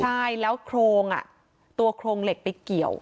ใช่แล้วโครงตัวโครงเหล็กไปเกี่ยว